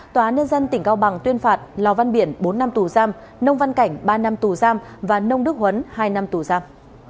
tòa án nhân dân tỉnh cao bằng tuyên phạt lò văn biển bốn năm tù giam nông văn cảnh ba năm tù giam và nông đức huấn hai năm tù giam